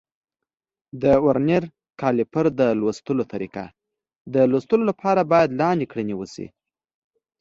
د ورنیر کالیپر د لوستلو طریقه: د لوستلو لپاره باید لاندې کړنې وشي.